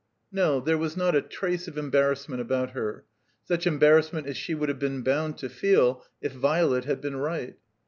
No. There was not a trace of embarrassment about her, such embarrassment as she would have been botmd to feel if Violet had been right.